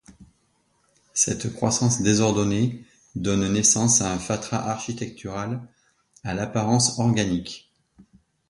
Cette croissance désordonnée donne naissance à un fatras architectural à l'apparence organique.